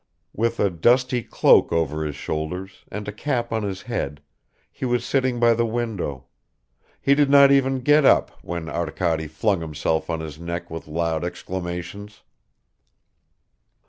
With a dusty cloak over his shoulders, and a cap on his head, he was sitting by the window; he did not even get up when Arkady flung himself on his neck with loud exclamations.